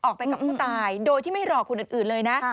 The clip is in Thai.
ออกไปกับผู้ตายโดยที่ไม่รอคนอื่นเลยนะ